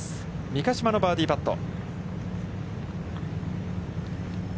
三ヶ島のバーディーパット。